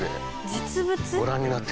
実物？